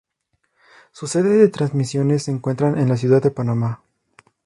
Sus sedes de transmisiones se encuentran en la Ciudad de Panamá.